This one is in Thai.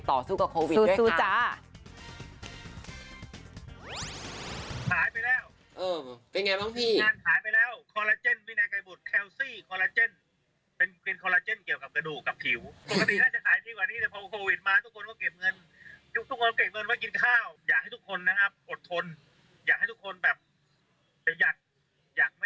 ต่อสู้กับโควิดด้วยค่ะ